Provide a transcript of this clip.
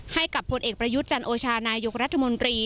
ให้กับผลเอกประยุทธ์จันโอชานายกรัฐมนตรี